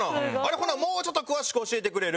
ほんならもうちょっと詳しく教えてくれる？